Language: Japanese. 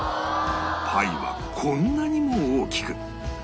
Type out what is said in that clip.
パイはこんなにも大きく